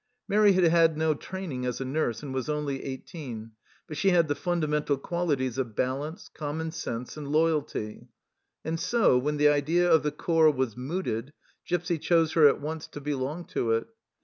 Mairi had had no training as a nurse, and was only eighteen, but she had the fundamental qualities of balance, common sense, and loyalty, and so, when the idea of the corps was mooted, Gipsy chose her at once to belong to it.